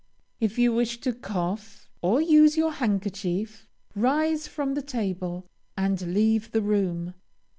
If you wish to cough, or use your handkerchief, rise from the table, and leave the room.